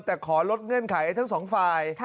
แต่ขอลดเงื่อนไขทั้งสองฝ่าย